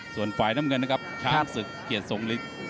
ส่วนฝ่ายน้ำเงินนะครับช้างศึกเกียรติทรงฤทธิ์